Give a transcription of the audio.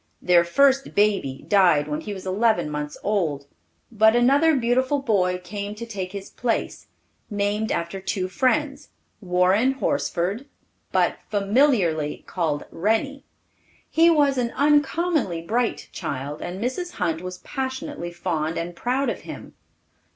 Their first baby died when he was eleven months old, but another beautiful boy came to take his place, named after two friends, Warren Horsford, but familiarly called "Rennie." He was an uncommonly bright child, and Mrs. Hunt was passionately fond and proud of him.